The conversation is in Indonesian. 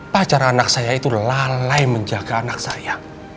pacar anak saya itu lalai menjaga anak saya